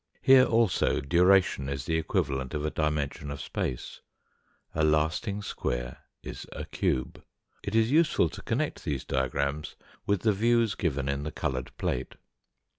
Here also duration is the equivalent of a dimension of space a lasting square is a cube. It is useful to connect these diagrams with the views given in the coloured plate.